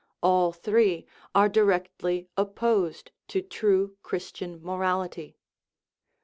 All three are directly opposed to true Christian morality.